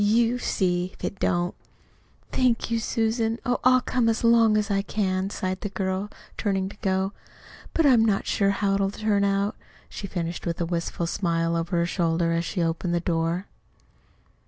You see if it don't." "Thank you, Susan. Oh, I'll come as long as I can," sighed the girl, turning to go. "But I'm not so sure how it'll turn out," she finished with a wistful smile over her shoulder as she opened the door.